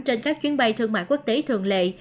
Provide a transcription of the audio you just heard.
trên các chuyến bay thương mại quốc tế thường lệ